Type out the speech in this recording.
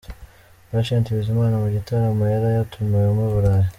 Patient Bizimana mu gitaramo yari yatumiwemo i burayi.